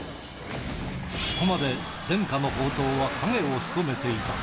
ここまで伝家の宝刀は影を潜めていた。